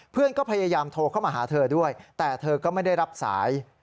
เพื่อนก็พยายามโทรเข้ามาหาเธอด้วยแต่เธอก็ไม่ได้รับสาย